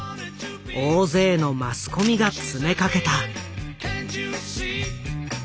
大勢のマスコミが詰めかけた。